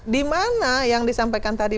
di mana yang disampaikan tadi